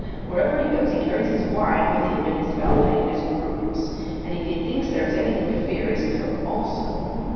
Wherever he goes he carries his wine with him and his valet and his grooms; and if he thinks there is anything to fear, his cook also.